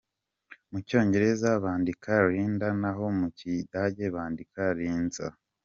Mu cyongereza bandika Lynda naho mu kidage bakandika Linza.